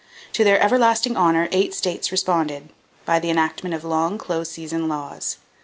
To their everlasting honor, eight states responded, by the enactment of long close season laws.